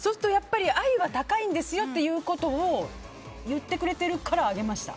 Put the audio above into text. アユは高いんですよということを言ってくれてるから上げました。